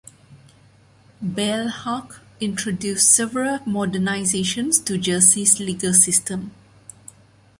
Bailhache introduced several modernizations to Jersey's legal system.